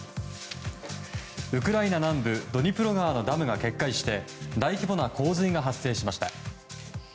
ウクライナ南部ドニプロ川のダムが決壊して大規模な洪水が発生しました。